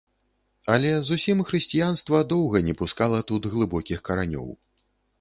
Але зусім хрысціянства доўга не пускала тут глыбокіх каранёў.